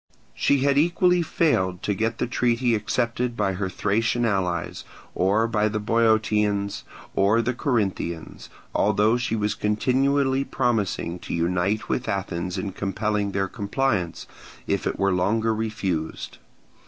She had equally failed to get the treaty accepted by her Thracian allies, or by the Boeotians or the Corinthians; although she was continually promising to unite with Athens in compelling their compliance, if it were longer refused.